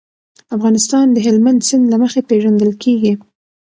افغانستان د هلمند سیند له مخې پېژندل کېږي.